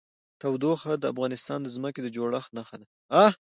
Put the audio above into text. تودوخه د افغانستان د ځمکې د جوړښت نښه ده.